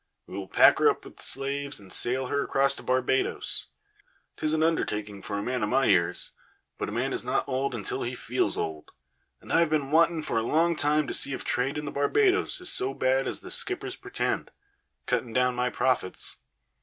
We will pack her up with slaves and sail her across to Barbadoes. 'Tis an undertaking for a man of my years, but a man is not old until he feels old; and I have been wanting for a long time to see if trade in the Barbadoes is so bad as the skippers pretend, cutting down my profits.